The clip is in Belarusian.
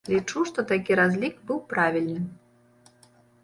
Лічу, што такі разлік быў правільны.